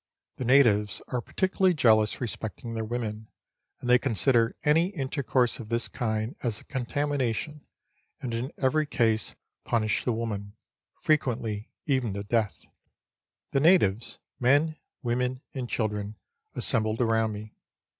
The natives are par ticularly jealous respecting their women ; and they consider any in tercourse of this kind as a contamination, and in every case punish the woman frequently even to death. The natives men, women, and children assembled around me.